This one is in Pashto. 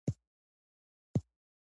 طالبانو د نجونو تعلیم بند کړی دی.